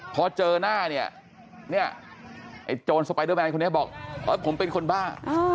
พอเจอหน้าเนี่ยไอ้โจรสไปเดอร์แบนคนนี้บอกผมเป็นคนบ้า